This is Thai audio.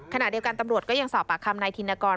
ขณะเดียวกันตำรวจก็ยังสอบปากคำนายธินกร